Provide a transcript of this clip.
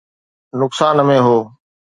نقصان ۾ هو